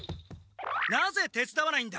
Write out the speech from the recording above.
なぜてつだわないんだ？